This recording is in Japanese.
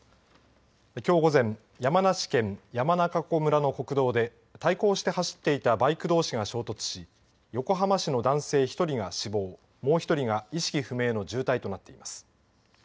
きょう午前山梨県山中湖村の国道で対向して走っていたバイクどうしが衝突し横浜市の男性１人が死亡もう１人が意識不明の重体となっています。